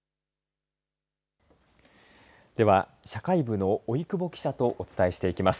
では、社会部のおいくぼ記者とお伝えしていきます。